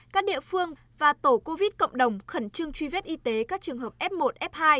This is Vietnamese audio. các địa phương và tổ covid cộng đồng khẩn trương truy vết y tế các trường hợp f một f hai